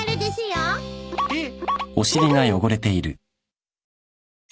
えっ。